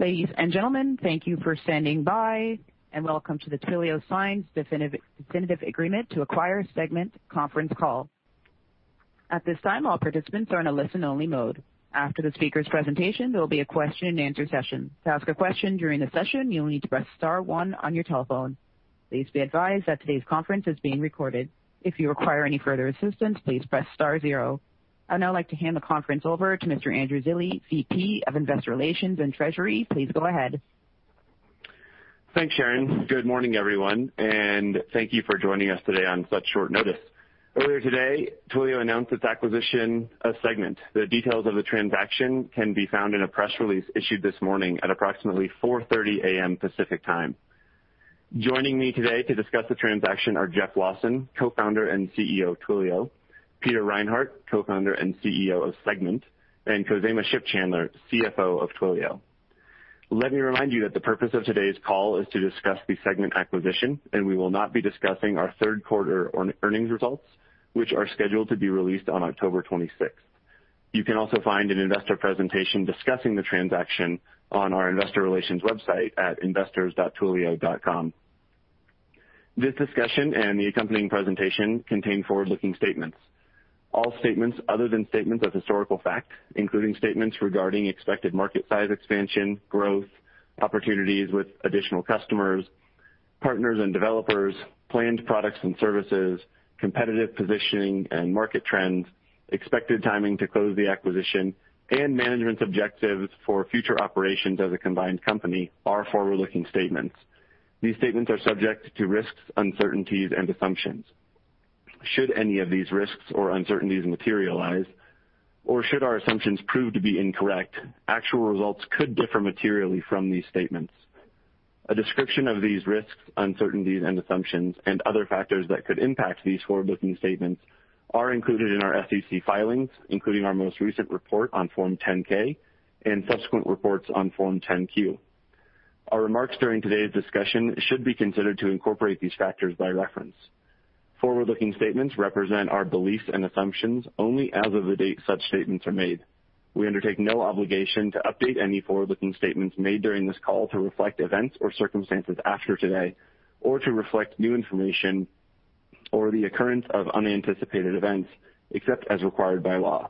Ladies and gentlemen, thank you for standing by, and welcome to the Twilio Signs Definitive Agreement to Acquire Segment conference call. At this time, all participants are in a listen-only mode. After the speaker's presentation, there will be a question and answer session. To ask a question during the session, you will need to press star one on your telephone. Please be advised that today's conference is being recorded. If you require any further assistance, please press star zero. I'd now like to hand the conference over to Mr. Andrew Zilli, VP of Investor Relations and Treasury. Please go ahead. Thanks, Sharon. Good morning, everyone, and thank you for joining us today on such short notice. Earlier today, Twilio announced its acquisition of Segment. The details of the transaction can be found in a press release issued this morning at approximately 4:30 A.M. Pacific Time. Joining me today to discuss the transaction are Jeff Lawson, Co-Founder and Chief Executive Officer of Twilio, Peter Reinhardt, Co-Founder and Chief Executive Officer of Segment, and Khozema Shipchandler, Chief Financial Officer of Twilio. Let me remind you that the purpose of today's call is to discuss the Segment acquisition, and we will not be discussing our third quarter earnings results, which are scheduled to be released on October 26th. You can also find an investor presentation discussing the transaction on our investor relations website at investors.twilio.com. This discussion and the accompanying presentation contain forward-looking statements. All statements other than statements of historical fact, including statements regarding expected market size expansion, growth, opportunities with additional customers, partners, and developers, planned products and services, competitive positioning and market trends, expected timing to close the acquisition, and management's objectives for future operations as a combined company are forward-looking statements. These statements are subject to risks, uncertainties, and assumptions. Should any of these risks or uncertainties materialize, or should our assumptions prove to be incorrect, actual results could differ materially from these statements. A description of these risks, uncertainties, and assumptions and other factors that could impact these forward-looking statements are included in our SEC filings, including our most recent report on Form 10-K and subsequent reports on Form 10-Q. Our remarks during today's discussion should be considered to incorporate these factors by reference. Forward-looking statements represent our beliefs and assumptions only as of the date such statements are made. We undertake no obligation to update any forward-looking statements made during this call to reflect events or circumstances after today or to reflect new information or the occurrence of unanticipated events, except as required by law.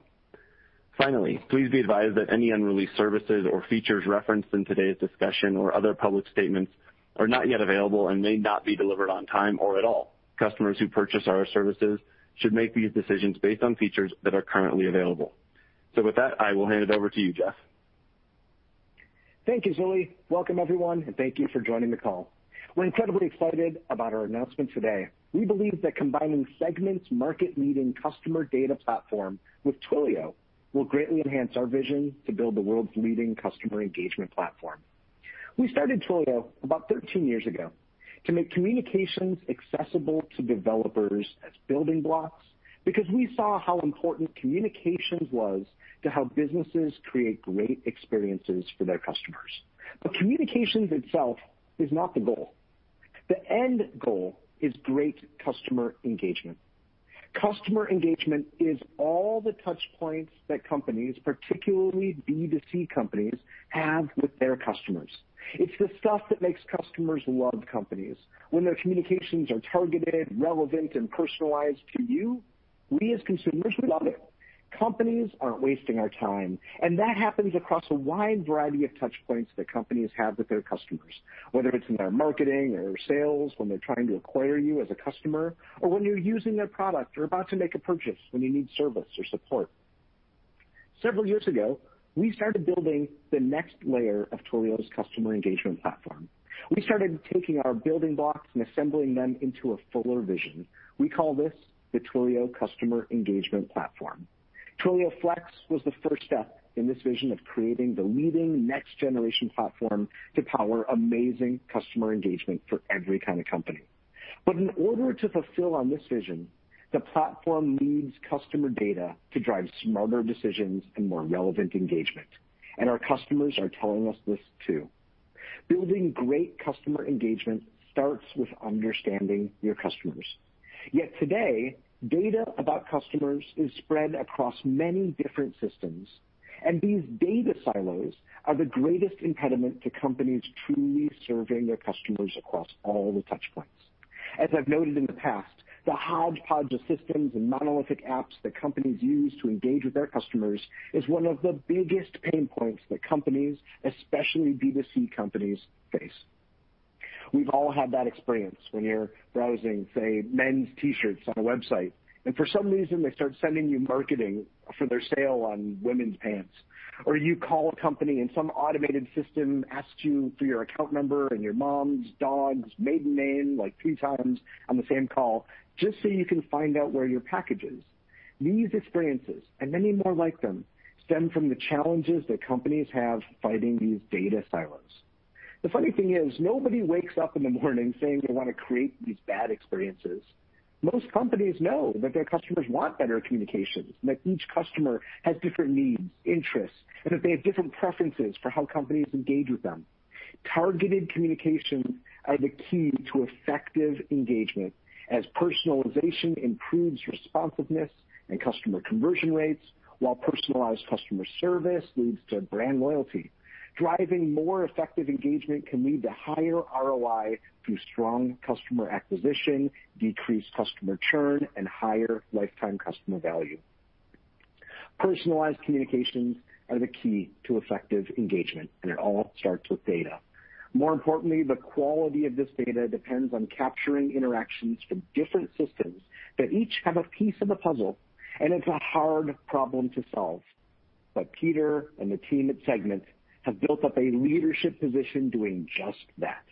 Finally, please be advised that any unreleased services or features referenced in today's discussion or other public statements are not yet available and may not be delivered on time or at all. Customers who purchase our services should make these decisions based on features that are currently available. With that, I will hand it over to you, Jeff. Thank you, Zilli. Welcome, everyone, thank you for joining the call. We're incredibly excited about our announcement today. We believe that combining Segment's market-leading customer data platform with Twilio will greatly enhance our vision to build the world's leading customer engagement platform. We started Twilio about 13 years ago to make communications accessible to developers as building blocks because we saw how important communications was to help businesses create great experiences for their customers. Communications itself is not the goal. The end goal is great customer engagement. Customer engagement is all the touch points that companies, particularly B2C companies, have with their customers. It's the stuff that makes customers love companies. When their communications are targeted, relevant, and personalized to you, we as consumers love it. Companies aren't wasting our time, and that happens across a wide variety of touch points that companies have with their customers, whether it's in their marketing or sales, when they're trying to acquire you as a customer, or when you're using their product or about to make a purchase, when you need service or support. Several years ago, we started building the next layer of Twilio Customer Engagement Platform. We started taking our building blocks and assembling them into a fuller vision. We call this the Twilio Customer Engagement Platform. Twilio Flex was the first step in this vision of creating the leading next-generation platform to power amazing customer engagement for every kind of company. But in order to fulfill on this vision, the platform needs customer data to drive smarter decisions and more relevant engagement, and our customers are telling us this, too. Building great customer engagement starts with understanding your customers. Yet today, data about customers is spread across many different systems, and these data silos are the greatest impediment to companies truly serving their customers across all the touch points. As I've noted in the past, the hodgepodge of systems and monolithic apps that companies use to engage with their customers is one of the biggest pain points that companies, especially B2C companies, face. We've all had that experience when you're browsing, say, men's T-shirts on a website, and for some reason, they start sending you marketing for their sale on women's pants. Or you call a company, and some automated system asks you for your account number and your mom's dog's maiden name, like, three times on the same call, just so you can find out where your package is. These experiences, and many more like them, stem from the challenges that companies have fighting these data silos. The funny thing is, nobody wakes up in the morning saying they want to create these bad experiences. Most companies know that their customers want better communications, and that each customer has different needs, interests, and that they have different preferences for how companies engage with them. Targeted communications are the key to effective engagement, as personalization improves responsiveness and customer conversion rates, while personalized customer service leads to brand loyalty. Driving more effective engagement can lead to higher ROI through strong customer acquisition, decreased customer churn, and higher lifetime customer value. Personalized communications are the key to effective engagement, and it all starts with data. More importantly, the quality of this data depends on capturing interactions from different systems that each have a piece of the puzzle, and it's a hard problem to solve. Peter and the team at Segment have built up a leadership position doing just that.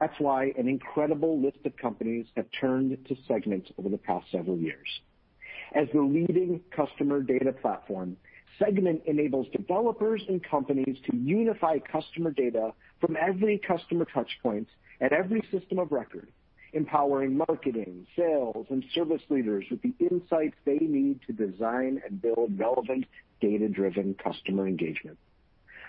That's why an incredible list of companies have turned to Segment over the past several years. As the leading customer data platform, Segment enables developers and companies to unify customer data from every customer touchpoint at every system of record, empowering marketing, sales, and service leaders with the insights they need to design and build relevant, data-driven customer engagement.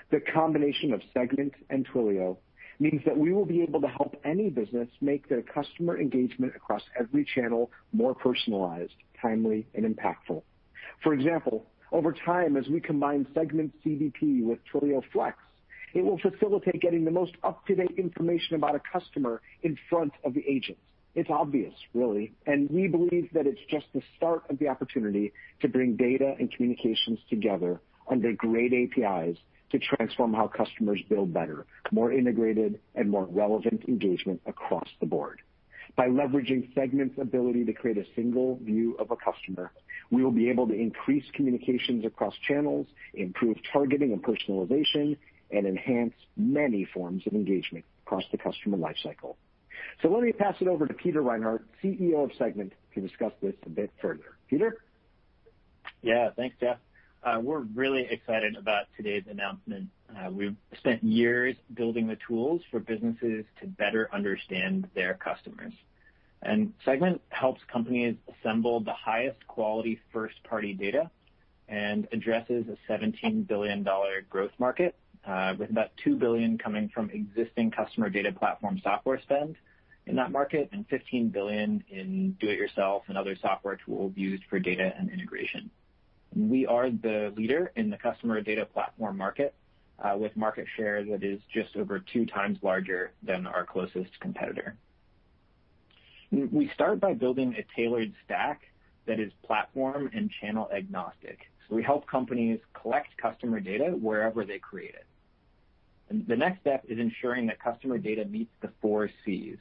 The combination of Segment and Twilio means that we will be able to help any business make their customer engagement across every channel more personalized, timely, and impactful. For example, over time, as we combine Segment CDP with Twilio Flex, it will facilitate getting the most up-to-date information about a customer in front of the agent. It's obvious, really, and we believe that it's just the start of the opportunity to bring data and communications together under great APIs to transform how customers build better, more integrated, and more relevant engagement across the board. By leveraging Segment's ability to create a single view of a customer, we will be able to increase communications across channels, improve targeting and personalization, and enhance many forms of engagement across the customer life cycle. Let me pass it over to Peter Reinhardt, CEO of Segment, to discuss this a bit further. Peter? Thanks, Jeff. We're really excited about today's announcement. We've spent years building the tools for businesses to better understand their customers. Segment helps companies assemble the highest quality first-party data and addresses a $17 billion growth market, with about $2 billion coming from existing customer data platform software spend in that market and $15 billion in do it yourself and other software tools used for data and integration. We are the leader in the customer data platform market, with market share that is just over two times larger than our closest competitor. We start by building a tailored stack that is platform and channel agnostic, so we help companies collect customer data wherever they create it. The next step is ensuring that customer data meets the four Cs,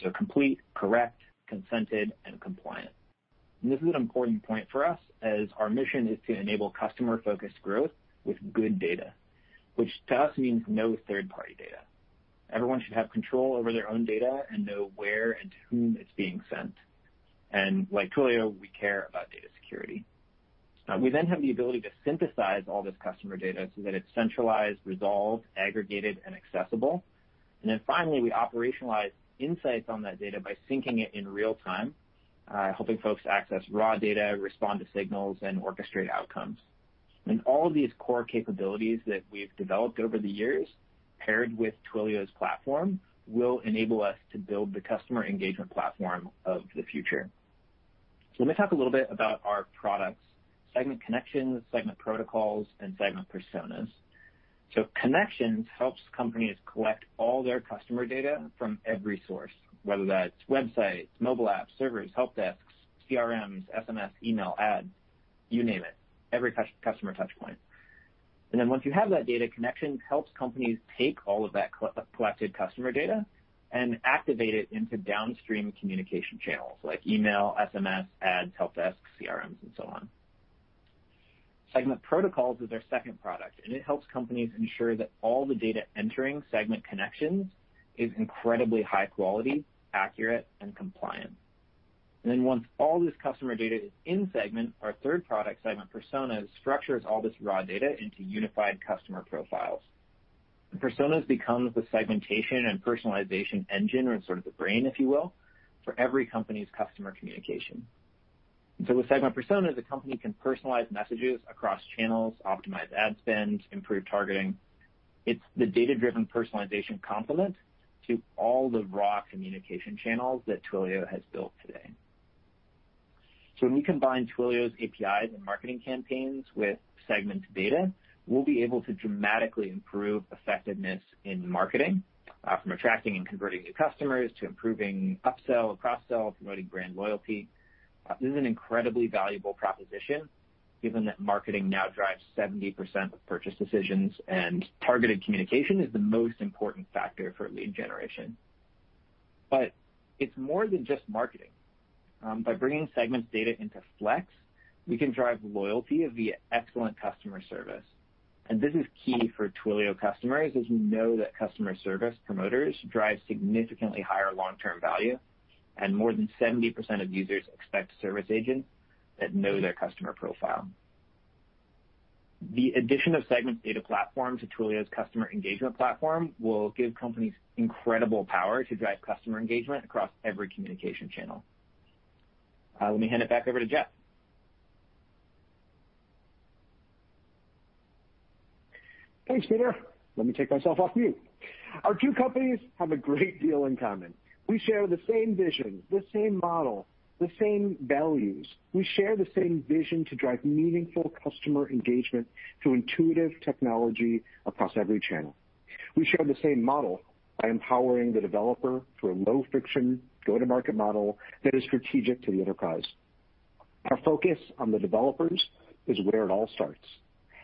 so complete, correct, consented, and compliant. This is an important point for us as our mission is to enable customer-focused growth with good data, which to us means no third-party data. Everyone should have control over their own data and know where and to whom it's being sent, and like Twilio, we care about data security. We then have the ability to synthesize all this customer data so that it's centralized, resolved, aggregated, and accessible, and then finally, we operationalize insights on that data by syncing it in real time, helping folks access raw data, respond to signals, and orchestrate outcomes. All of these core capabilities that we've developed over the years, paired with Twilio's platform, will enable us to build the Customer Engagement Platform of the future. Let me talk a little bit about our products, Segment Connections, Segment Protocols, and Segment Personas. Connections helps companies collect all their customer data from every source, whether that's websites, mobile apps, servers, help desks, CRMs, SMS, email, ads, you name it. Every customer touch point. Once you have that data, Connections helps companies take all of that collected customer data and activate it into downstream communication channels like email, SMS, ads, help desks, CRMs, and so on. Segment Protocols is our second product, and it helps companies ensure that all the data entering Segment Connections is incredibly high quality, accurate, and compliant. Once all this customer data is in Segment, our third product, Segment Personas, structures all this raw data into unified customer profiles. Personas becomes the segmentation and personalization engine or sort of the brain, if you will, for every company's customer communication. With Segment Personas, a company can personalize messages across channels, optimize ad spend, improve targeting. It's the data-driven personalization complement to all the raw communication channels that Twilio has built today. When we combine Twilio's APIs and marketing campaigns with Segment data, we'll be able to dramatically improve effectiveness in marketing, from attracting and converting new customers to improving upsell and cross-sell, promoting brand loyalty. This is an incredibly valuable proposition given that marketing now drives 70% of purchase decisions, and targeted communication is the most important factor for lead generation. It's more than just marketing. By bringing Segment data into Flex, we can drive loyalty via excellent customer service, and this is key for Twilio customers, as we know that customer service promoters drive significantly higher long-term value, and more than 70% of users expect a service agent that know their customer profile. The addition of Segment data platform to Twilio's Customer Engagement Platform will give companies incredible power to drive customer engagement across every communication channel. Let me hand it back over to Jeff. Thanks, Peter. Let me take myself off mute. Our two companies have a great deal in common. We share the same vision, the same model, the same values. We share the same vision to drive meaningful customer engagement through intuitive technology across every channel. We share the same model by empowering the developer through a low-friction go-to-market model that is strategic to the enterprise. Our focus on the developers is where it all starts,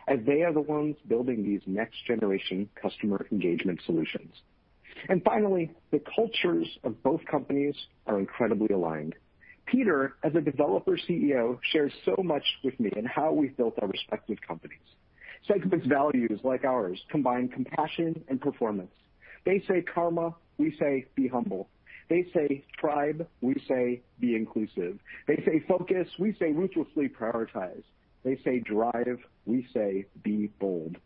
as they are the ones building these next-generation customer engagement solutions. Finally, the cultures of both companies are incredibly aligned. Peter, as a developer CEO, shares so much with me in how we built our respective companies. Segment's values, like ours, combine compassion and performance. They say karma, we say be humble. They say tribe, we say be inclusive. They say focus, we say ruthlessly prioritize. They say drive, we say be bold.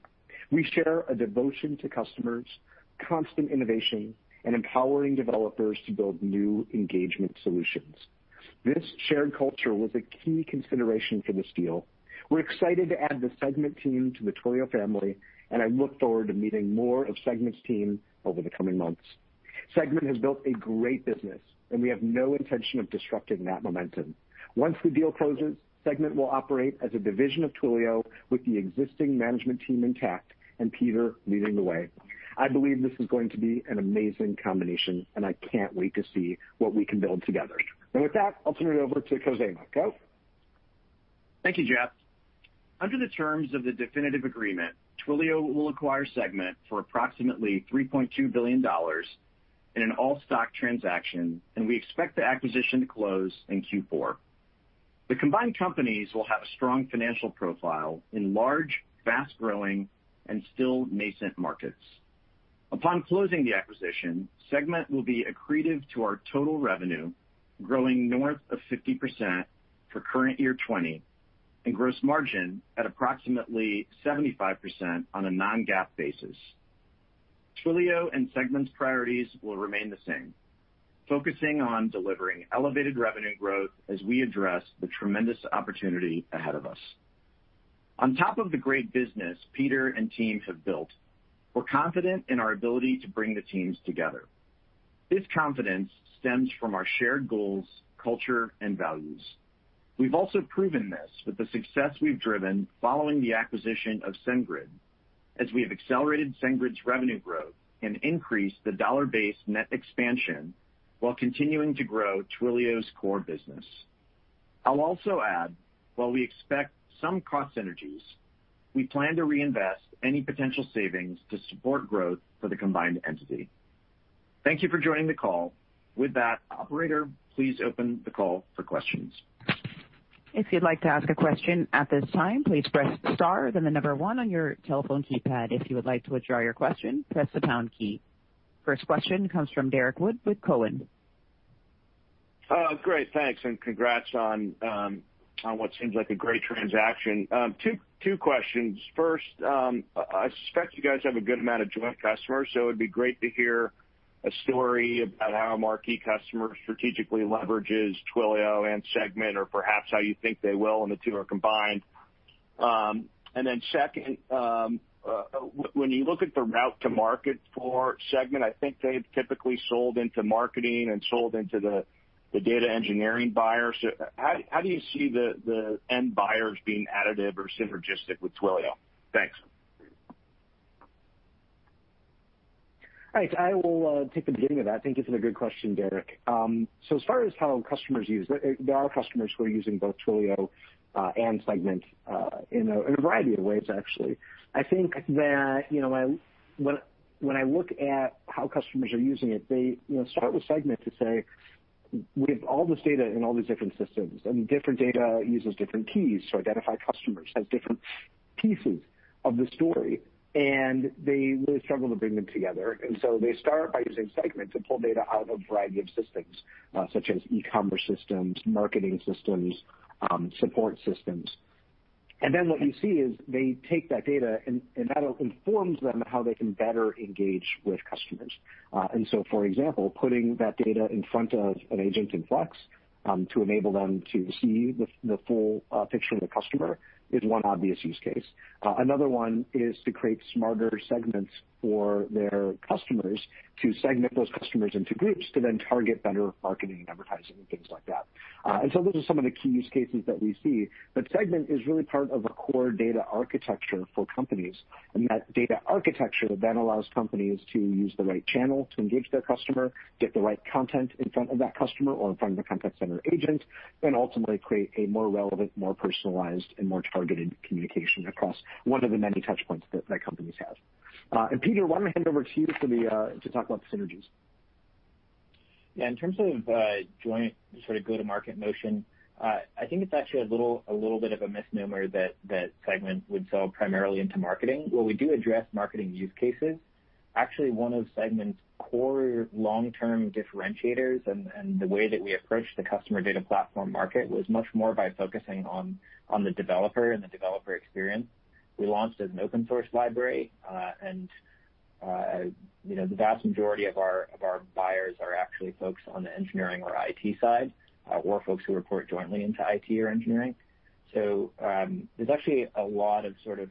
We share a devotion to customers, constant innovation, and empowering developers to build new engagement solutions. This shared culture was a key consideration for this deal. We're excited to add the Segment team to the Twilio family, and I look forward to meeting more of Segment's team over the coming months. Segment has built a great business, and we have no intention of disrupting that momentum. Once the deal closes, Segment will operate as a division of Twilio with the existing management team intact and Peter leading the way. I believe this is going to be an amazing combination, and I can't wait to see what we can build together. With that, I'll turn it over to Khozema. Kho? Thank you, Jeff. Under the terms of the definitive agreement, Twilio will acquire Segment for approximately $3.2 billion in an all-stock transaction. We expect the acquisition to close in Q4. The combined companies will have a strong financial profile in large, fast-growing, and still nascent markets. Upon closing the acquisition, Segment will be accretive to our total revenue, growing north of 50% for current year 2020, and gross margin at approximately 75% on a non-GAAP basis. Twilio and Segment's priorities will remain the same, focusing on delivering elevated revenue growth as we address the tremendous opportunity ahead of us. On top of the great business Peter and team have built, we're confident in our ability to bring the teams together. This confidence stems from our shared goals, culture, and values. We've also proven this with the success we've driven following the acquisition of SendGrid, as we have accelerated SendGrid's revenue growth and increased the dollar-based net expansion while continuing to grow Twilio's core business. I'll also add, while we expect some cost synergies, we plan to reinvest any potential savings to support growth for the combined entity. Thank you for joining the call. With that, operator, please open the call for questions. If you'd like to ask a question at this time, please press star then the number one on your telephone keypad. If you would like to withdraw your question, press the pound key. First question comes from Derrick Wood with Cowen. Great. Thanks, and congrats on what seems like a great transaction. Two questions. First, I suspect you guys have a good amount of joint customers, so it'd be great to hear a story about how a marquee customer strategically leverages Twilio and Segment or perhaps how you think they will when the two are combined. Then second, when you look at the route to market for Segment, I think they've typically sold into marketing and sold into the data engineering buyer. How do you see the end buyers being additive or synergistic with Twilio? Thanks. All right. I will take the beginning of that. I think it's a good question, Derrick. As far as how customers use, there are customers who are using both Twilio and Segment in a variety of ways, actually. I think that when I look at how customers are using it, they start with Segment to say, "We have all this data in all these different systems," and different data uses different keys to identify customers, has different pieces of the story, and they really struggle to bring them together. They start by using Segment to pull data out of a variety of systems, such as e-commerce systems, marketing systems, support systems. Then what you see is they take that data and that informs them how they can better engage with customers. For example, putting that data in front of an agent in Flex to enable them to see the full picture of the customer is one obvious use case. Another one is to create smarter segments for their customers to segment those customers into groups to then target better marketing and advertising and things like that. Those are some of the key use cases that we see, but Segment is really part of a core data architecture for companies, and that data architecture then allows companies to use the right channel to engage their customer, get the right content in front of that customer or in front of the contact center agent, and ultimately create a more relevant, more personalized, and more targeted communication across one of the many touch points that companies have. Peter, why don't I hand it over to you to talk about the synergies? Yeah, in terms of joint sort of go-to-market motion, I think it's actually a little bit of a misnomer that Segment would sell primarily into marketing. While we do address marketing use cases, actually one of Segment's core long-term differentiators and the way that we approach the customer data platform market was much more by focusing on the developer and the developer experience. We launched as an open-source library. The vast majority of our buyers are actually focused on the engineering or IT side, or folks who report jointly into IT or engineering. There's actually a lot of sort of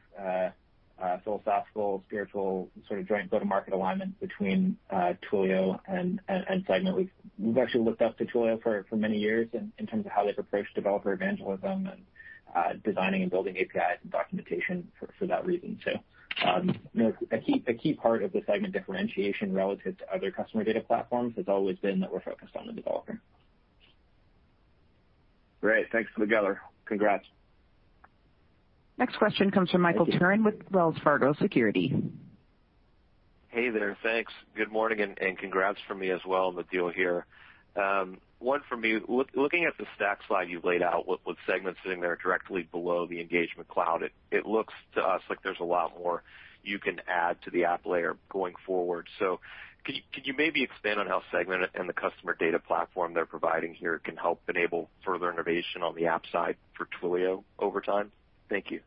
philosophical, spiritual, sort of joint go-to-market alignment between Twilio and Segment. We've actually looked up to Twilio for many years in terms of how they've approached developer evangelism and designing and building APIs and documentation for that reason too. A key part of the Segment differentiation relative to other customer data platforms has always been that we're focused on the developer. Great. Thanks, [together] Congrats. Next question comes from Michael Turrin with Wells Fargo Securities. Hey there. Thanks. Good morning. Congrats from me as well on the deal here. One from me, looking at the stack slide you've laid out with Segment sitting there directly below the engagement cloud, it looks to us like there's a lot more you can add to the app layer going forward. Could you maybe expand on how Segment and the customer data platform they're providing here can help enable further innovation on the app side for Twilio over time? Thank you.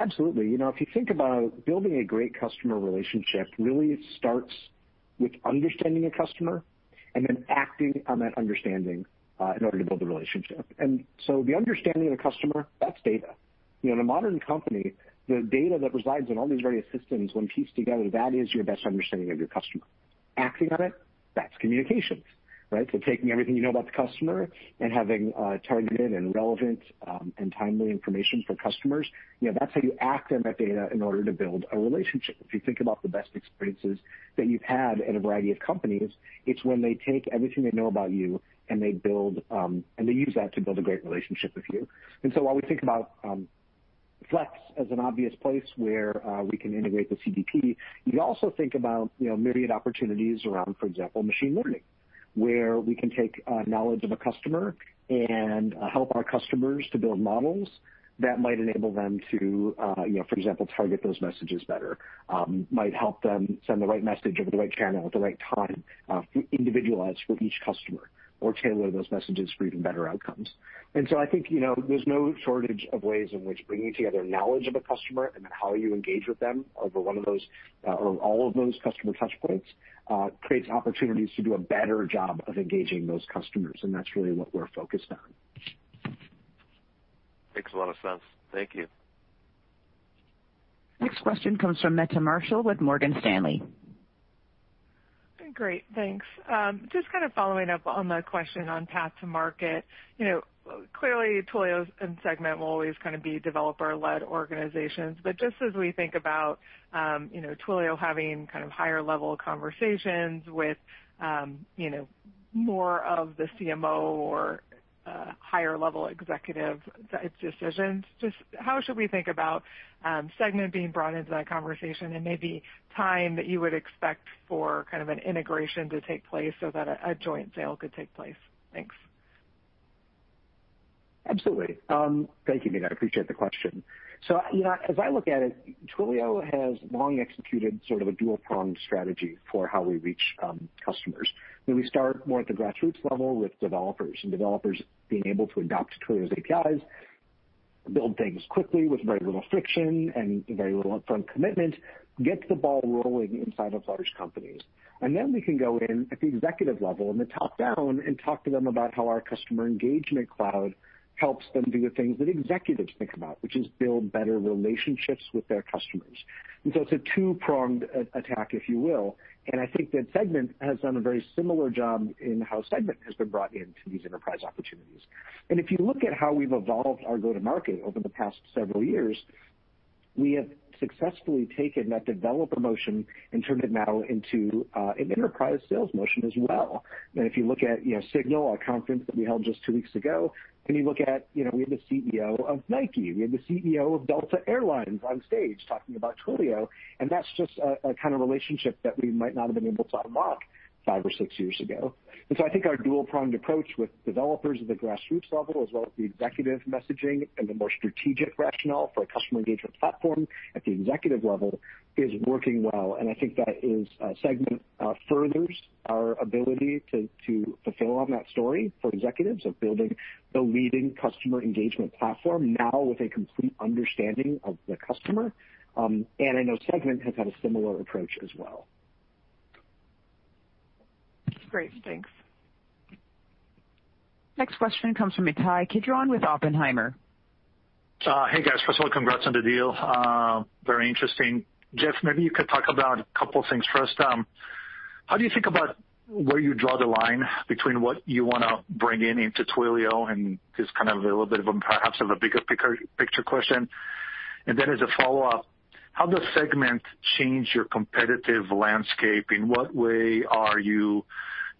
Absolutely. If you think about building a great customer relationship, really it starts with understanding a customer and then acting on that understanding, in order to build a relationship. The understanding of the customer, that's data. In a modern company, the data that resides in all these various systems, when pieced together, that is your best understanding of your customer. Acting on it, that's communications, right? Taking everything you know about the customer and having targeted and relevant, and timely information for customers, that's how you act on that data in order to build a relationship. If you think about the best experiences that you've had in a variety of companies, it's when they take everything they know about you, and they use that to build a great relationship with you. While we think about Flex as an obvious place where we can integrate with CDP, you also think about myriad opportunities around, for example, machine learning. Where we can take knowledge of a customer and help our customers to build models that might enable them to, for example, target those messages better, might help them send the right message over the right channel at the right time, individualized for each customer or tailor those messages for even better outcomes. I think, there's no shortage of ways in which bringing together knowledge of a customer and then how you engage with them over one of those, or all of those customer touch points, creates opportunities to do a better job of engaging those customers. That's really what we're focused on. Makes a lot of sense. Thank you. Next question comes from Meta Marshall with Morgan Stanley. Great, thanks. Just kind of following up on the question on path to market. Clearly, Twilio and Segment will always kind of be developer-led organizations, but just as we think about Twilio having kind of higher level conversations with more of the CMO or higher level executive decisions, just how should we think about Segment being brought into that conversation and maybe time that you would expect for kind of an integration to take place so that a joint sale could take place? Thanks. Absolutely. Thank you, Meta, I appreciate the question. As I look at it, Twilio has long executed sort of a dual-pronged strategy for how we reach customers, where we start more at the grassroots level with developers. Developers being able to adopt Twilio's APIs, build things quickly with very little friction and very little upfront commitment, gets the ball rolling inside of large companies. Then we can go in at the executive level and the top down and talk to them about how our customer engagement cloud helps them do the things that executives think about, which is build better relationships with their customers. It's a two-pronged attack, if you will, and I think that Segment has done a very similar job in how Segment has been brought into these enterprise opportunities. If you look at how we've evolved our go-to-market over the past several years, we have successfully taken that developer motion and turned it now into an enterprise sales motion as well. If you look at SIGNAL, our conference that we held just two weeks ago, and you look at, we had the CEO of Nike, we had the CEO of Delta Air Lines on stage talking about Twilio, and that's just a kind of relationship that we might not have been able to unlock five or six years ago. I think our dual-pronged approach with developers at the grassroots level as well as the executive messaging and the more strategic rationale for a customer engagement platform at the executive level is working well. I think that Segment furthers our ability to fulfill on that story for executives of building the leading customer engagement platform, now with a complete understanding of the customer. I know Segment has had a similar approach as well. Great. Thanks. Next question comes from Ittai Kidron with Oppenheimer. Hey, guys. First of all, congrats on the deal. Very interesting. Jeff, maybe you could talk about a couple of things. First, how do you think about where you draw the line between what you want to bring in into Twilio, and just kind of a little bit of perhaps of a bigger picture question. Then as a follow-up, how does Segment change your competitive landscape? In what way are you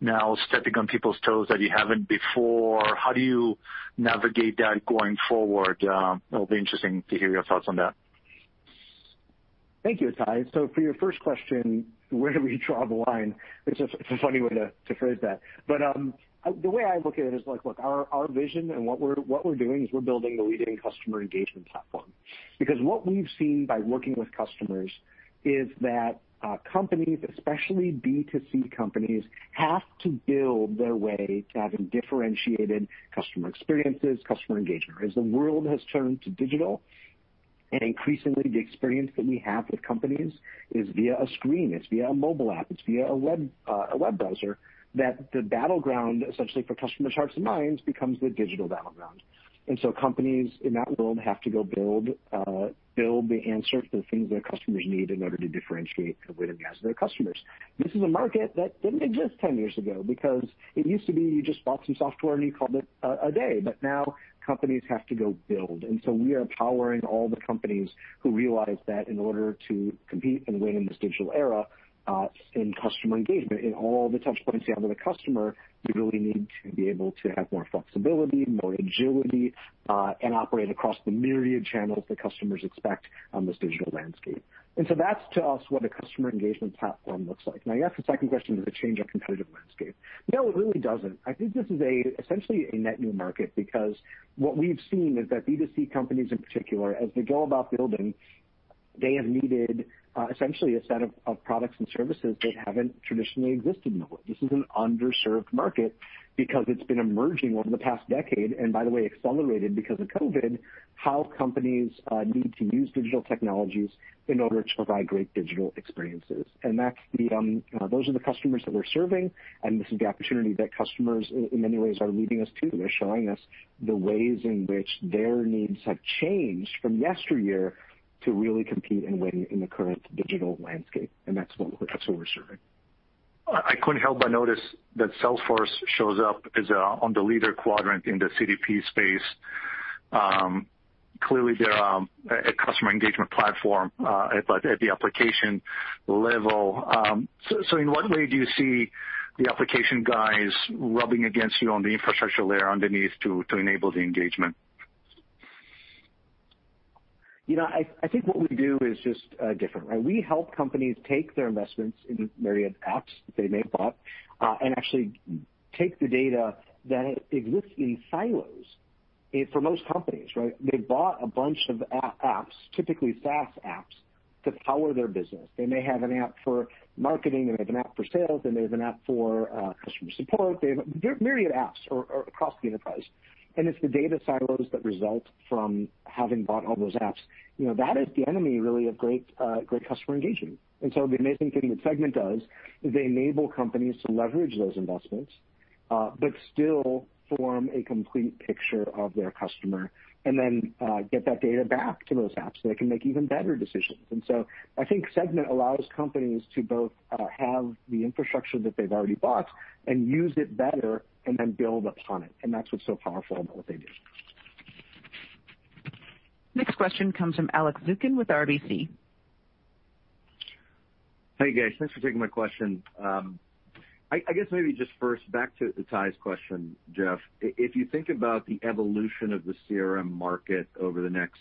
now stepping on people's toes that you haven't before? How do you navigate that going forward? It'll be interesting to hear your thoughts on that. Thank you, Ittai. For your first question, where do we draw the line? It's a funny way to phrase that. The way I look at it is like, look, our vision and what we're doing is we're building the leading customer engagement platform. Because what we've seen by working with customers is that companies, especially B2C companies, have to build their way to having differentiated customer experiences, customer engagement. As the world has turned to digital, increasingly, the experience that we have with companies is via a screen, it's via a mobile app, it's via a web browser, that the battleground essentially for customer hearts and minds becomes the digital battleground. Companies in that world have to go build the answer to the things their customers need in order to differentiate and win against their customers. This is a market that didn't exist 10 years ago because it used to be you just bought some software, and you called it a day. Now companies have to go build. We are powering all the companies who realize that in order to compete and win in this digital era, in customer engagement, in all the touch points you have with a customer, you really need to be able to have more flexibility, more agility, and operate across the myriad channels that customers expect on this digital landscape. That's, to us, what a customer engagement platform looks like. Now you asked the second question, does it change our competitive landscape? No, it really doesn't. I think this is essentially a net new market because what we've seen is that B2C companies in particular, as they go about building, they have needed essentially a set of products and services that haven't traditionally existed in the world. This is an underserved market because it's been emerging over the past decade, and by the way, accelerated because of COVID, how companies need to use digital technologies in order to provide great digital experiences. Those are the customers that we're serving, and this is the opportunity that customers in many ways are leading us to. They're showing us the ways in which their needs have changed from yesteryear to really compete and win in the current digital landscape, and that's what we're serving. I couldn't help but notice that Salesforce shows up on the leader quadrant in the CDP space. Clearly, they're a customer engagement platform, but at the application level. In what way do you see the application guys rubbing against you on the infrastructure layer underneath to enable the engagement? I think what we do is just different. We help companies take their investments in myriad apps that they may have bought, and actually take the data that exists in silos. For most companies, they've bought a bunch of apps, typically SaaS apps, to power their business. They may have an app for marketing, they may have an app for sales, they may have an app for customer support. They have myriad apps across the enterprise, it's the data silos that result from having bought all those apps. That is the enemy, really, of great customer engagement. The amazing thing that Segment does is they enable companies to leverage those investments, but still form a complete picture of their customer and then get that data back to those apps so they can make even better decisions. I think Segment allows companies to both have the infrastructure that they've already bought and use it better, and then build upon it. That's what's so powerful about what they do. Next question comes from Alex Zukin with RBC. Hey, guys. Thanks for taking my question. I guess maybe just first back to Ittai's question, Jeff. If you think about the evolution of the CRM market over the next,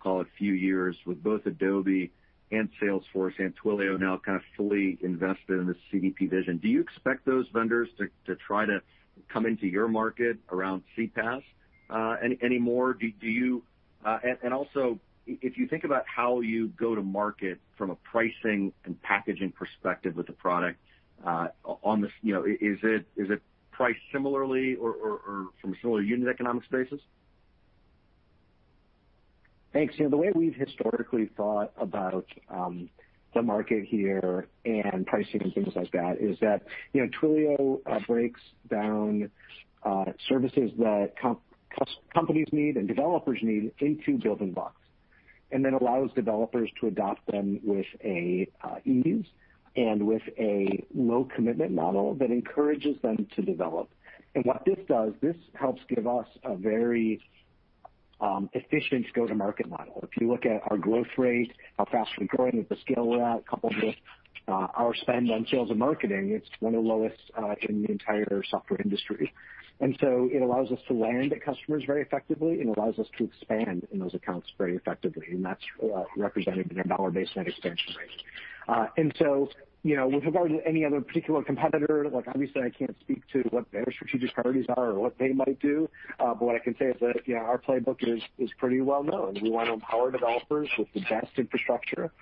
call it few years with both Adobe and Salesforce and Twilio now kind of fully invested in this CDP vision, do you expect those vendors to try to come into your market around CPaaS any more? If you think about how you go to market from a pricing and packaging perspective with the product, is it priced similarly or from a similar unit economic basis? Thanks. The way we've historically thought about the market here and pricing and things like that is that Twilio breaks down services that companies need and developers need into building blocks, then allows developers to adopt them with an ease and with a low commitment model that encourages them to develop. What this does, this helps give us a very efficient go-to-market model. If you look at our growth rate, how fast we're growing with the scale we're at, coupled with our spend on sales and marketing, it's one of the lowest in the entire software industry. It allows us to land customers very effectively and allows us to expand in those accounts very effectively, and that's represented in our dollar-based net expansion rate. With regard to any other particular competitor, obviously I can't speak to what their strategic priorities are or what they might do. What I can say is that our playbook is pretty well known. We want to empower developers with the best infrastructure,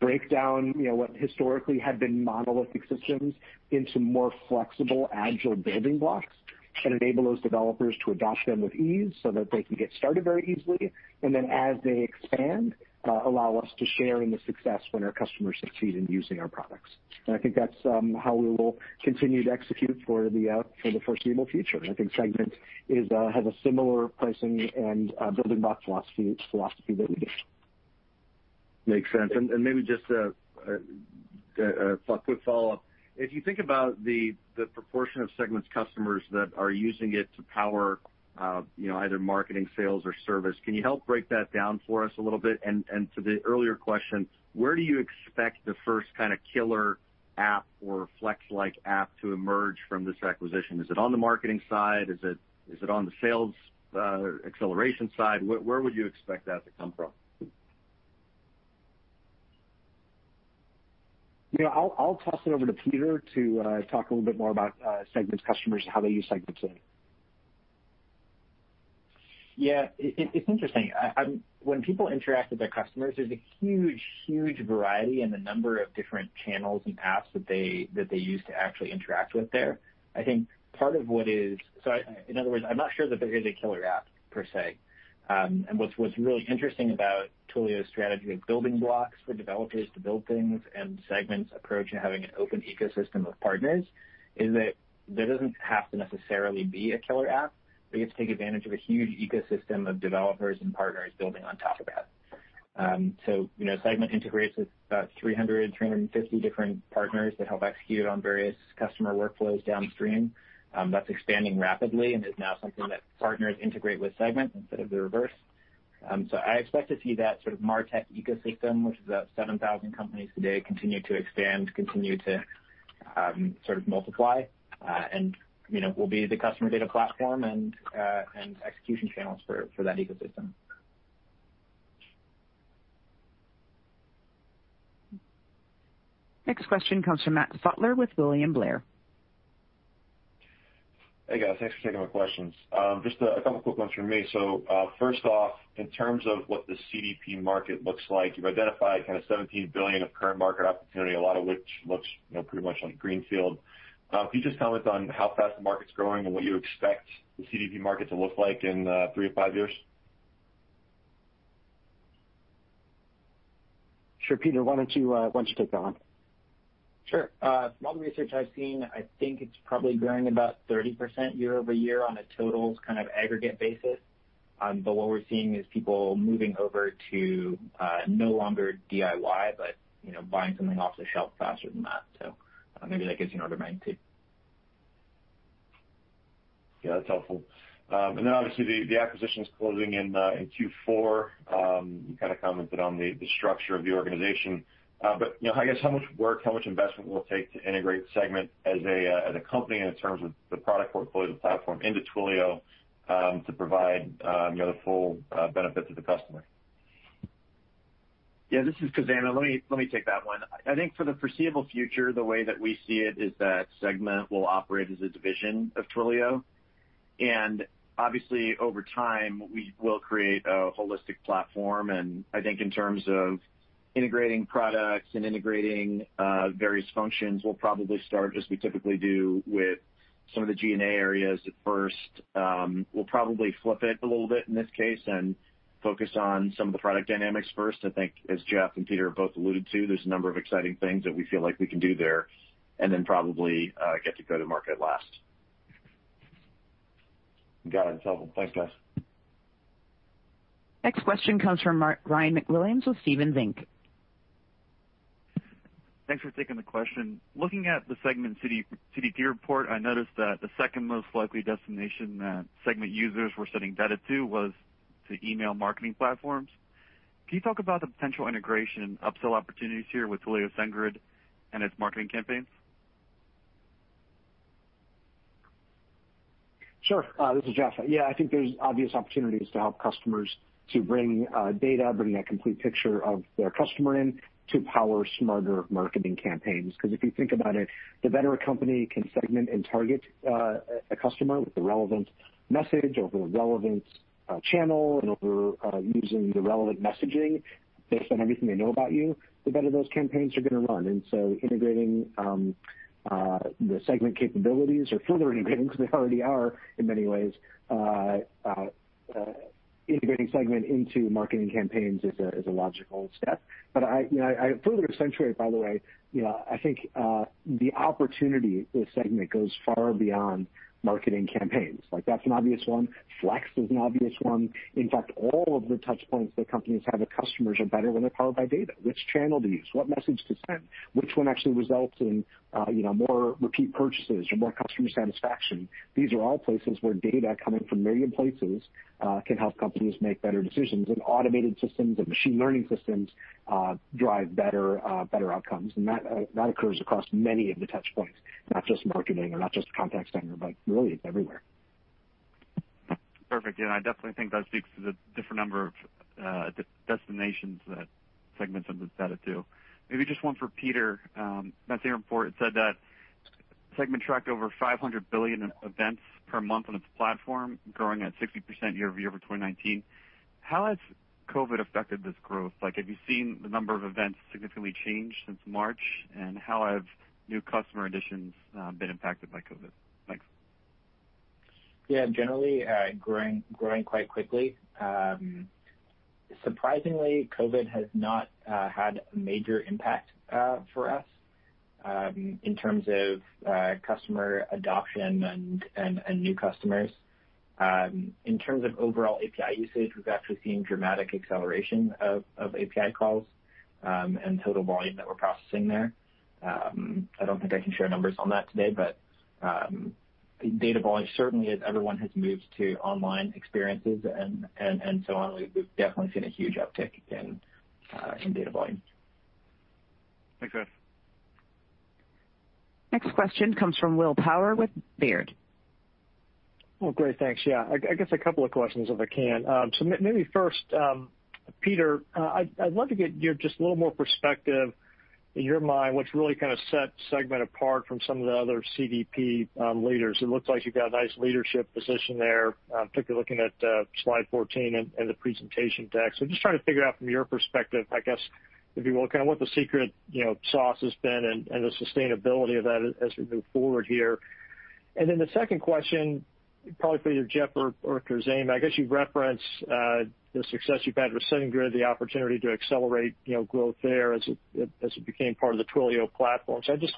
break down what historically had been monolithic systems into more flexible, agile building blocks, and enable those developers to adopt them with ease so that they can get started very easily. As they expand, allow us to share in the success when our customers succeed in using our products. I think that's how we will continue to execute for the foreseeable future. I think Segment has a similar pricing and building block philosophy that we do. Makes sense. Maybe just a quick follow-up. If you think about the proportion of Segment's customers that are using it to power either marketing, sales, or service, can you help break that down for us a little bit? To the earlier question, where do you expect the first kind of killer app or Flex-like app to emerge from this acquisition? Is it on the marketing side? Is it on the sales acceleration side? Where would you expect that to come from? I'll toss it over to Peter to talk a little bit more about Segment's customers and how they use Segment today. Yeah, it's interesting. When people interact with their customers, there's a huge variety in the number of different channels and apps that they use to actually interact with there. In other words, I'm not sure that there is a killer app per se. What's really interesting about Twilio's strategy of building blocks for developers to build things and Segment's approach in having an open ecosystem of partners is that there doesn't have to necessarily be a killer app. They get to take advantage of a huge ecosystem of developers and partners building on top of that. Segment integrates with about 300 to 350 different partners that help execute on various customer workflows downstream. That's expanding rapidly and is now something that partners integrate with Segment instead of the reverse. I expect to see that sort of martech ecosystem, which is about 7,000 companies today, continue to expand, continue to sort of multiply, and will be the customer data platform and execution channels for that ecosystem. Next question comes from Matt Stotler with William Blair. Hey, guys. Thanks for taking my questions. Just a couple of quick ones from me. First off, in terms of what the CDP market looks like, you've identified kind of $17 billion of current market opportunity, a lot of which looks pretty much like greenfield. Can you just comment on how fast the market's growing and what you expect the CDP market to look like in three to five years? Sure. Peter, why don't you take that one? Sure. From all the research I've seen, I think it's probably growing about 30% year-over-year on a totals kind of aggregate basis. What we're seeing is people moving over to no longer DIY, but buying something off the shelf faster than that. Maybe that gives you an order of magnitude. Yeah, that's helpful. Obviously the acquisition's closing in Q4. You kind of commented on the structure of the organization. I guess how much work, how much investment will it take to integrate Segment as a company in terms of the product portfolio, the platform into Twilio, to provide the full benefit to the customer? Yeah, this is Khozema. Let me take that one. I think for the foreseeable future, the way that we see it is that Segment will operate as a division of Twilio, and obviously over time, we will create a holistic platform. I think in terms of integrating products and integrating various functions, we'll probably start as we typically do with some of the G&A areas at first. We'll probably flip it a little bit in this case and focus on some of the product dynamics first. I think as Jeff and Peter have both alluded to, there's a number of exciting things that we feel like we can do there, and then probably get to go-to-market last. Got it. It's helpful. Thanks, guys. Next question comes from Ryan MacWilliams with Stephens Inc. Thanks for taking the question. Looking at the Segment CDP report, I noticed that the second most likely destination that Segment users were sending data to was to email marketing platforms. Can you talk about the potential integration upsell opportunities here with Twilio SendGrid and its marketing campaigns? Sure. This is Jeff. Yeah, I think there's obvious opportunities to help customers to bring data, bringing that complete picture of their customer in to power smarter marketing campaigns. Because if you think about it, the better a company can Segment and target a customer with the relevant message over the relevant channel and over using the relevant messaging based on everything they know about you, the better those campaigns are going to run. Integrating, the Segment capabilities or further integrating because they already are in many ways, integrating Segment into marketing campaigns is a logical step. I further accentuate, by the way, I think the opportunity with Segment goes far beyond marketing campaigns. Like that's an obvious one. Flex is an obvious one. In fact, all of the touch points that companies have with customers are better when they're powered by data. Which channel to use, what message to send, which one actually results in more repeat purchases or more customer satisfaction. These are all places where data coming from million places, can help companies make better decisions. Automated systems and machine learning systems drive better outcomes. That occurs across many of the touch points, not just marketing or not just contact center, but really it's everywhere. Perfect. I definitely think that speaks to the different number of destinations that Segment have been set it to. Maybe just one for Peter. That same report, it said that Segment tracked over 500 billion events per month on its platform, growing at 60% year-over-year for 2019. How has COVID affected this growth? Have you seen the number of events significantly change since March? How have new customer additions been impacted by COVID? Thanks. Yeah. Generally, growing quite quickly. Surprisingly, COVID has not had a major impact for us in terms of customer adoption and new customers. In terms of overall API usage, we've actually seen dramatic acceleration of API calls, and total volume that we're processing there. I don't think I can share numbers on that today, but data volume certainly as everyone has moved to online experiences and so on, we've definitely seen a huge uptick in data volume. Thanks, guys. Next question comes from Will Power with Baird. Well, great. Thanks. Yeah, I guess a couple of questions if I can. Maybe first Peter, I'd love to get your, just a little more perspective in your mind, what's really set Segment apart from some of the other CDP leaders. It looks like you've got a nice leadership position there, particularly looking at slide 14 in the presentation deck. Just trying to figure out from your perspective, I guess, if you will, kind of what the secret sauce has been and the sustainability of that as we move forward here. The second question, probably for either Jeff or Khozema, I guess you've referenced the success you've had with SendGrid, the opportunity to accelerate growth there as it became part of the Twilio platform. I'd just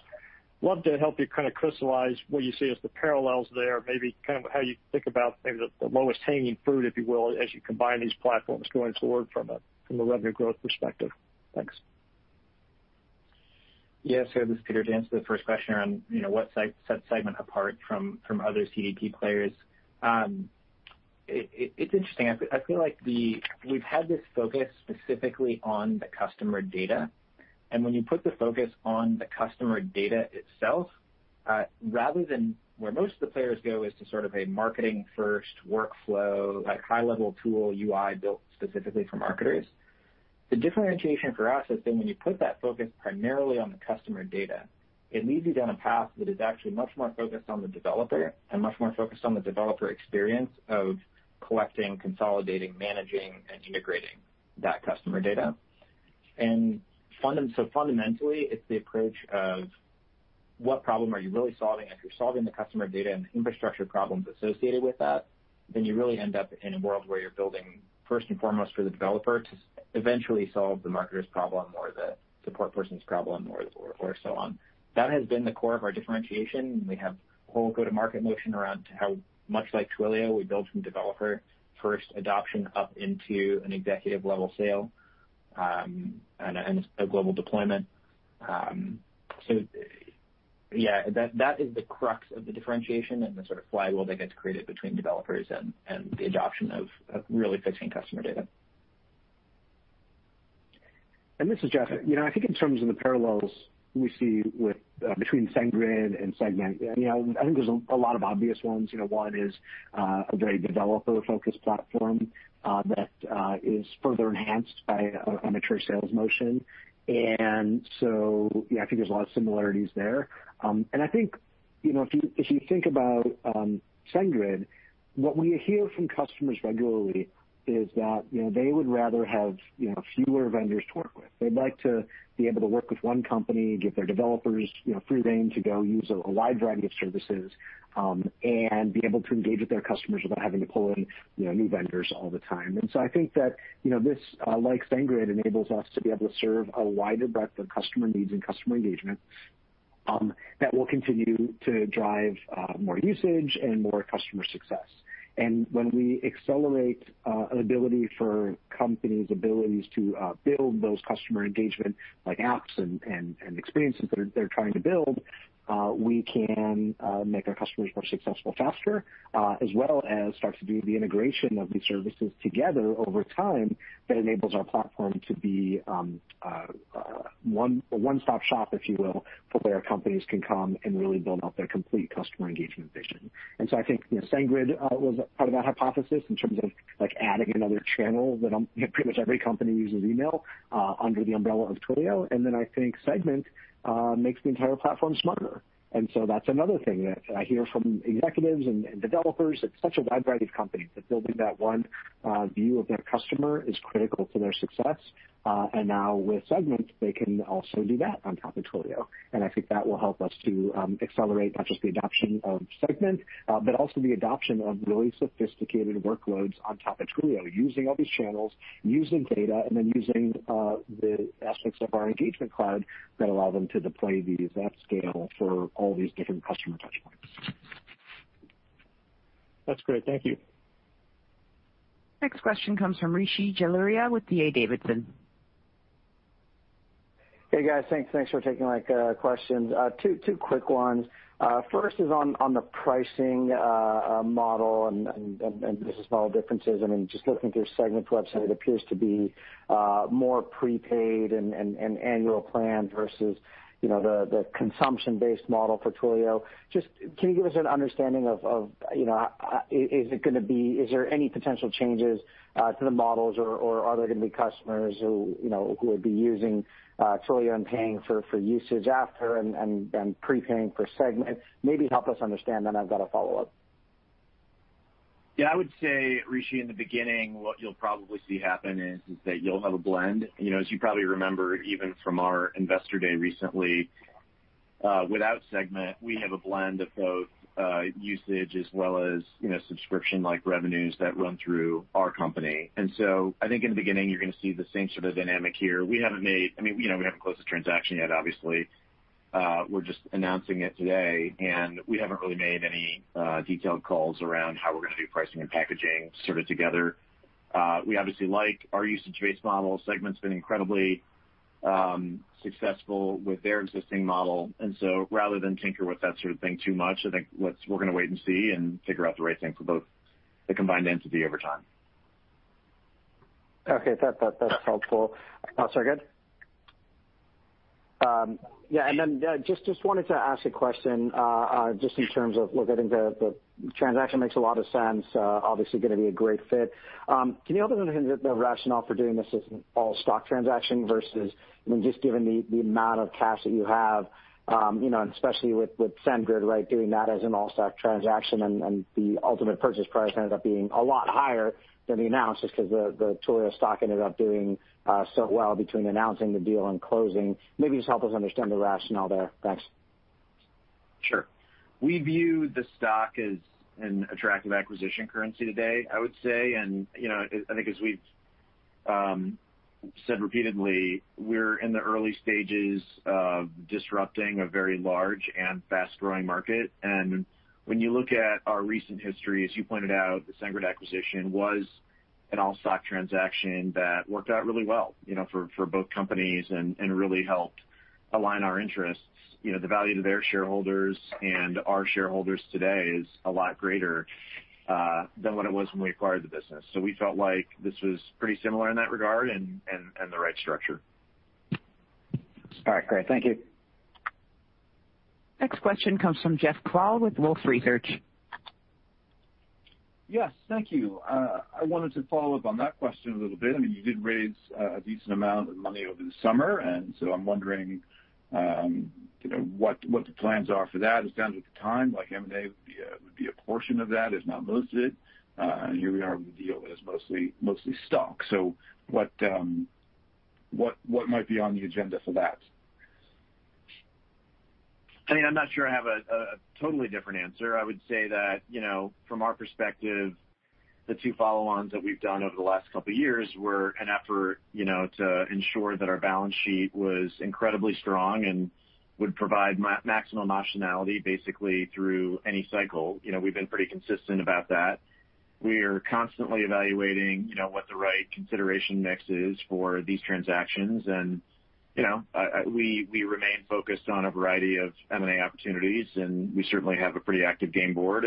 love to help you kind of crystallize what you see as the parallels there, maybe kind of how you think about maybe the lowest hanging fruit, if you will, as you combine these platforms going forward from a revenue growth perspective. Thanks. Yes. This is Peter. To answer the first question around what sets Segment apart from other CDP players. It's interesting. I feel like we've had this focus specifically on the customer data, and when you put the focus on the customer data itself, rather than where most of the players go, is to sort of a marketing first workflow, like high-level tool UI built specifically for marketers. The differentiation for us has been when you put that focus primarily on the customer data, it leads you down a path that is actually much more focused on the developer and much more focused on the developer experience of collecting, consolidating, managing, and integrating that customer data. Fundamentally, it's the approach of what problem are you really solving. If you're solving the customer data and the infrastructure problems associated with that, then you really end up in a world where you're building first and foremost for the developer to eventually solve the marketer's problem, or the support person's problem, or so on. That has been the core of our differentiation. We have a whole go-to-market motion around how much like Twilio we build from developer-first adoption up into an executive-level sale, and a global deployment. Yeah, that is the crux of the differentiation and the sort of flywheel that gets created between developers and the adoption of really fixing customer data. This is Jeff. I think in terms of the parallels we see between SendGrid and Segment, I think there's a lot of obvious ones. One is a very developer-focused platform that is further enhanced by a mature sales motion. Yeah, I think there's a lot of similarities there. I think, if you think about SendGrid, what we hear from customers regularly is that they would rather have fewer vendors to work with. They'd like to be able to work with one company, give their developers free rein to go use a wide variety of services, and be able to engage with their customers without having to pull in new vendors all the time. I think that this, like SendGrid, enables us to be able to serve a wider breadth of customer needs and customer engagement that will continue to drive more usage and more customer success. When we accelerate ability for companies' abilities to build those customer engagement, like apps and experiences that they're trying to build, we can make our customers more successful faster, as well as start to do the integration of these services together over time that enables our platform to be a one-stop shop, if you will, for where companies can come and really build out their complete customer engagement vision. I think SendGrid was part of that hypothesis in terms of adding another channel that pretty much every company uses email under the umbrella of Twilio. Then I think Segment makes the entire platform smarter. That's another thing that I hear from executives and developers at such a wide variety of companies, that building that one view of their customer is critical to their success. Now with Segment, they can also do that on top of Twilio. I think that will help us to accelerate not just the adoption of Segment, but also the adoption of really sophisticated workloads on top of Twilio, using all these channels, using data, and then using the aspects of our engagement cloud that allow them to deploy these at scale for all these different customer touch points. That's great. Thank you. Next question comes from Rishi Jaluria with D.A. Davidson. Hey, guys. Thanks for taking my questions. Two quick ones. First is on the pricing model, and the small differences. I mean, just looking through Segment's website, it appears to be more prepaid and annual plan versus the consumption-based model for Twilio. Just can you give us an understanding of, is there any potential changes to the models, or are there going to be customers who will be using Twilio and paying for usage after and prepaying for Segment? Maybe help us understand. I've got a follow-up. Yeah. I would say, Rishi, in the beginning, what you'll probably see happen is that you'll have a blend. As you probably remember, even from our investor day recently, without Segment, we have a blend of both usage as well as subscription-like revenues that run through our company. I think in the beginning, you're going to see the same sort of dynamic here. We haven't closed the transaction yet, obviously. We're just announcing it today, and we haven't really made any detailed calls around how we're going to do pricing and packaging sort of together. We obviously like our usage-based model. Segment's been incredibly successful with their existing model. Rather than tinker with that sort of thing too much, I think we're going to wait and see and figure out the right thing for both the combined entity over time. Okay. That's helpful. Sorry, go ahead. Yeah. Just wanted to ask a question, just in terms of, look, I think the transaction makes a lot of sense, obviously going to be a great fit. Can you help us understand the rationale for doing this as an all-stock transaction versus, just given the amount of cash that you have, and especially with SendGrid, right? Doing that as an all-stock transaction and the ultimate purchase price ended up being a lot higher than the announced, just because the Twilio stock ended up doing so well between announcing the deal and closing. Maybe just help us understand the rationale there. Thanks. Sure. We view the stock as an attractive acquisition currency today, I would say. I think as we've said repeatedly, we're in the early stages of disrupting a very large and fast-growing market. When you look at our recent history, as you pointed out, the SendGrid acquisition was an all-stock transaction that worked out really well for both companies and really helped align our interests. The value to their shareholders and our shareholders today is a lot greater, than when it was when we acquired the business. We felt like this was pretty similar in that regard and the right structure. All right, great. Thank you. Next question comes from Jeff Kvaal with Wolfe Research. Yes. Thank you. I wanted to follow up on that question a little bit. You did raise a decent amount of money over the summer, I'm wondering, what the plans are for that as it stands at the time, like M&A would be a portion of that, if not most of it. Here we are with a deal that is mostly stock. What might be on the agenda for that? I'm not sure I have a totally different answer. I would say that, from our perspective, the two follow-ons that we've done over the last couple of years were an effort to ensure that our balance sheet was incredibly strong and would provide maximum optionality, basically through any cycle. We've been pretty consistent about that. We are constantly evaluating what the right consideration mix is for these transactions. We remain focused on a variety of M&A opportunities, and we certainly have a pretty active game board.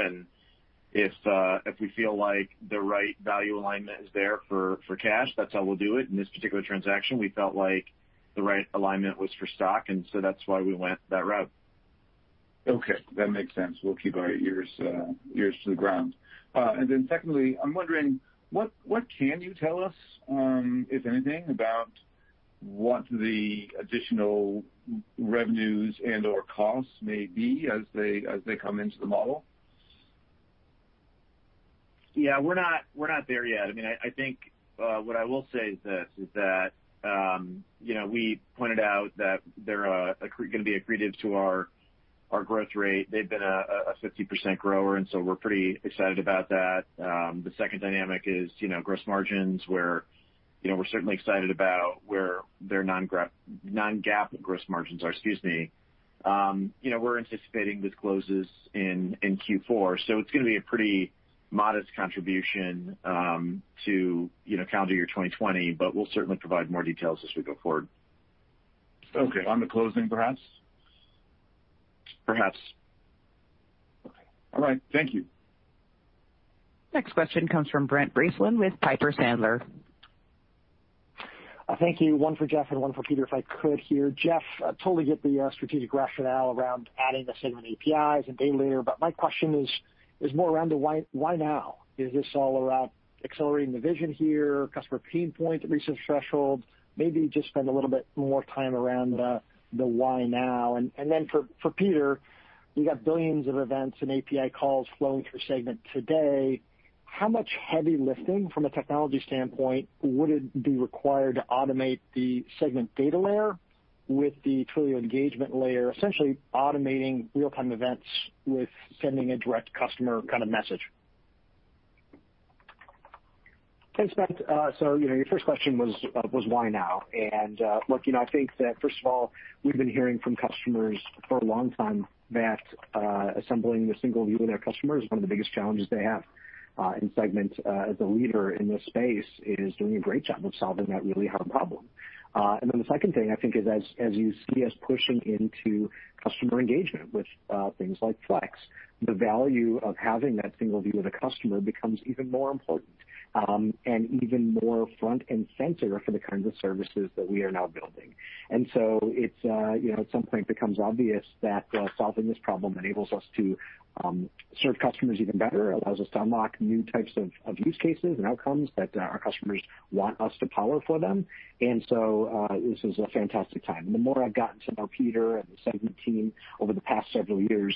If we feel like the right value alignment is there for cash, that's how we'll do it. In this particular transaction, we felt like the right alignment was for stock, and so that's why we went that route. Okay. That makes sense. We'll keep our ears to the ground. Secondly, I'm wondering what can you tell us, if anything, about what the additional revenues and/or costs may be as they come into the model? We're not there yet. I think what I will say is this, is that we pointed out that they're going to be accretive to our growth rate. They've been a 50% grower, we're pretty excited about that. The second dynamic is gross margins, where we're certainly excited about where their non-GAAP gross margins are. Excuse me. We're anticipating this closes in Q4. It's going to be a pretty modest contribution to calendar year 2020, we'll certainly provide more details as we go forward. Okay, on the closing, perhaps? Perhaps. Okay. All right. Thank you. Next question comes from Brent Bracelin with Piper Sandler. Thank you. One for Jeff and one for Peter, if I could here. Jeff, I totally get the strategic rationale around adding the Segment APIs and data layer, my question is more around the why now? Is this all around accelerating the vision here, customer pain point reached a threshold? Maybe just spend a little bit more time around the why now. For Peter, you got billions of events and API calls flowing through Segment today. How much heavy lifting from a technology standpoint would it be required to automate the Segment data layer with the Twilio engagement layer, essentially automating real-time events with sending a direct customer message? Thanks, Brent. Your first question was why now? Look, I think that first of all, we've been hearing from customers for a long time that assembling the single view of their customer is one of the biggest challenges they have. Segment, as a leader in this space, is doing a great job of solving that really hard problem. The second thing I think is as you see us pushing into customer engagement with things like Flex, the value of having that single view of the customer becomes even more important, and even more front and center for the kinds of services that we are now building. It at some point becomes obvious that solving this problem enables us to serve customers even better. It allows us to unlock new types of use cases and outcomes that our customers want us to power for them. This is a fantastic time. The more I've gotten to know Peter and the Segment team over the past several years,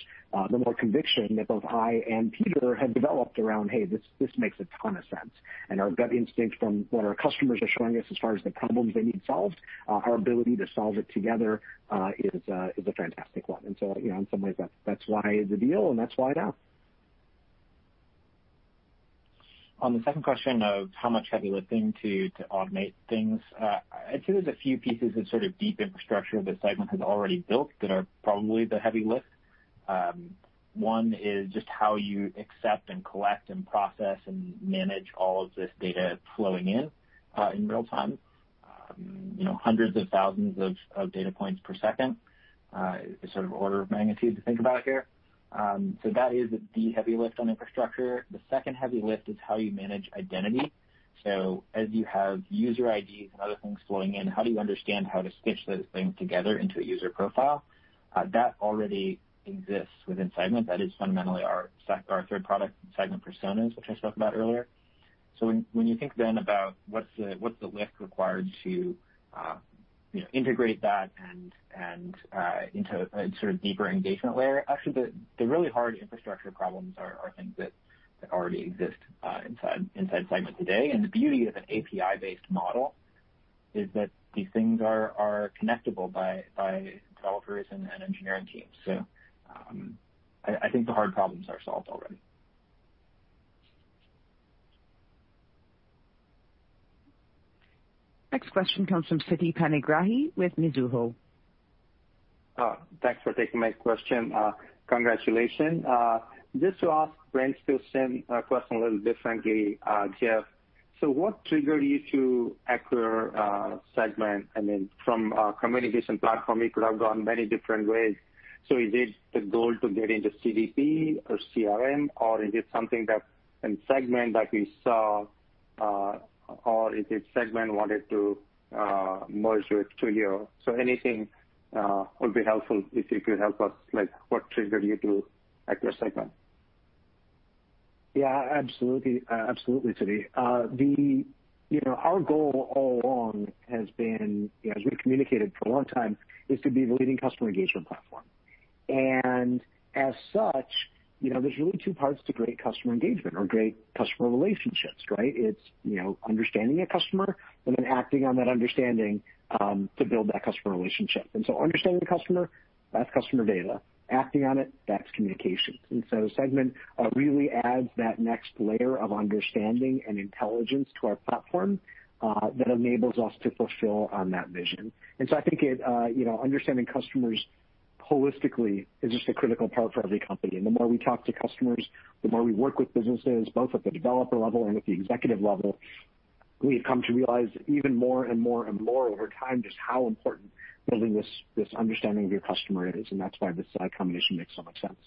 the more conviction that both I and Peter have developed around, "Hey, this makes a ton of sense." Our gut instinct from what our customers are showing us as far as the problems they need solved, our ability to solve it together, is a fantastic one. In some ways, that's why the deal and that's why now. On the second question of how much heavy lifting to automate things, I'd say there's a few pieces of sort of deep infrastructure that Segment has already built that are probably the heavy lift. One is just how you accept, and collect, and process, and manage all of this data flowing in real time. Hundreds of thousands of data points per second. A sort of order of magnitude to think about here. That is the heavy lift on infrastructure. The second heavy lift is how you manage identity. As you have user IDs and other things flowing in, how do you understand how to stitch those things together into a user profile? That already exists within Segment. That is fundamentally our third product, Segment Personas, which I spoke about earlier. When you think then about what's the lift required to integrate that into a sort of deeper engagement layer, actually, the really hard infrastructure problems are things that already exist inside Segment today. The beauty of an API-based model is that these things are connectable by developers and engineering teams. I think the hard problems are solved already. Next question comes from Siti Panigrahi with Mizuho. Thanks for taking my question. Congratulations. Just to ask Brent's question a little differently, Jeff. What triggered you to acquire Segment? I mean, from a communication platform, you could have gone many different ways. Is it the goal to get into CDP or CRM, or is it something that in Segment that we saw, or is it Segment wanted to merge with Twilio? Anything would be helpful, if you could help us, like what triggered you to acquire Segment? Yeah, absolutely, Siti. Our goal all along has been, as we communicated for a long time, is to be the leading customer engagement platform. As such, there's really two parts to great customer engagement or great customer relationships, right? It's understanding a customer and then acting on that understanding to build that customer relationship. Understanding the customer, that's customer data. Acting on it, that's communications. Segment really adds that next layer of understanding and intelligence to our platform that enables us to fulfill on that vision. I think understanding customers holistically is just a critical part for every company. The more we talk to customers, the more we work with businesses, both at the developer level and at the executive level, we have come to realize even more and more and more over time just how important building this understanding of your customer is. That's why this combination makes so much sense.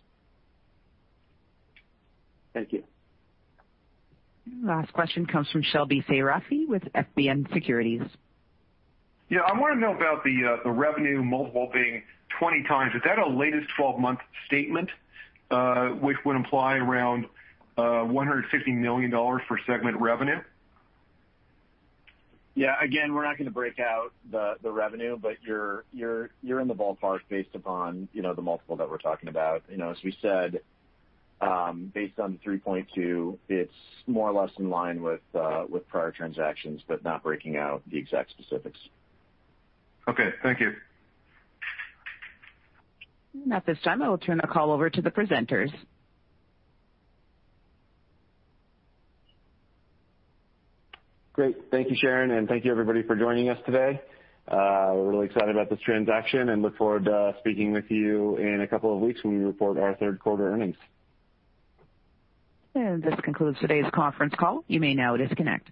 Thank you. Last question comes from Shebly Seyrafi with FBN Securities. Yeah, I want to know about the revenue multiple being 20 times. Is that a latest 12-month statement, which would imply around $150 million for Segment revenue? Yeah. Again, we're not going to break out the revenue, but you're in the ballpark based upon the multiple that we're talking about. As we said, based on the 3.2, it's more or less in line with prior transactions, but not breaking out the exact specifics. Okay. Thank you. At this time, I will turn the call over to the presenters. Great. Thank you, Sharon, and thank you everybody for joining us today. We're really excited about this transaction and look forward to speaking with you in a couple of weeks when we report our third quarter earnings. This concludes today's conference call. You may now disconnect.